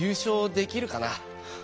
「できるかな？」